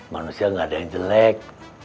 manusia gak ada yang jelek